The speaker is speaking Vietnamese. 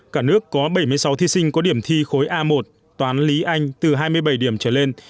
cả nước có bảy mươi sáu thí sinh có điểm thi khối a một toán lý anh từ hai mươi bảy điểm trở lên